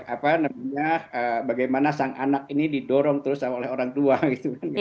apa namanya bagaimana sang anak ini didorong terus oleh orang tua gitu kan